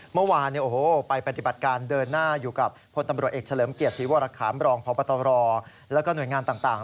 เมื่อวานไปปฏิบัติการเดินหน้าอยู่กับพลตำรวจเอกเฉลิมเกียรติศรีวรคามรองพบตรแล้วก็หน่วยงานต่าง